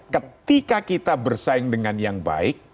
ketika kita bersaing dengan yang baik